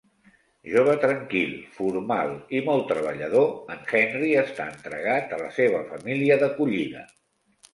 Jove tranquil, formal i molt treballador, en Henry està entregat a la seva família d'acollida.